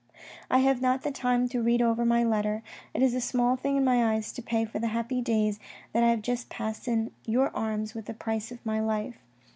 I have not the time to read over my letter. It is a small thing in my eyes to pay for the happy days that I have just passed in your arms with the price of my life.